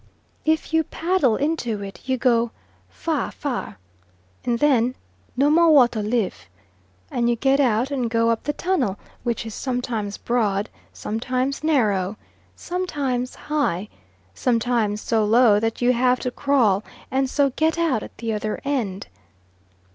If you paddle into it you go "far far," and then "no more water live," and you get out and go up the tunnel, which is sometimes broad, sometimes narrow, sometimes high, sometimes so low that you have to crawl, and so get out at the other end.